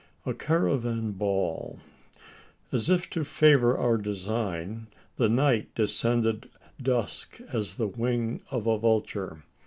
A CARAVAN BALL. As if to favour our design, the night descended dusk as the wing of a vulture.